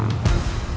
kamu mau ke rumah